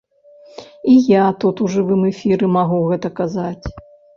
І я тут у жывым эфіры магу гэта казаць.